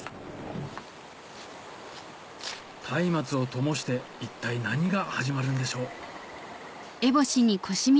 たいまつをともして一体何が始まるんでしょう？